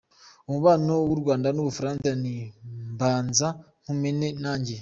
Umubano w’u Rwanda n’Ubufaransa ni « Mbanza nkumene nanjye »?